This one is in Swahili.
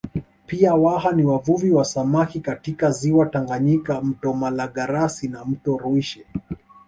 Pia Waha ni wavuvi wa samaki katika ziwa Tanganyika mto Malagarasi na Mto Rwiche